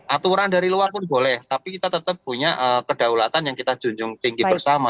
aturan dari luar pun boleh tapi kita tetap punya kedaulatan yang kita junjung tinggi bersama